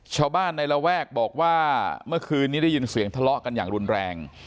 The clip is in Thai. ชาวบ้านในระแวกบอกว่าเมื่อคืนนี้ได้ยินเสียงทะเลาะกันอย่างรุนแรง